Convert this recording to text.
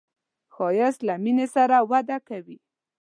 ښایست له مینې سره وده کوي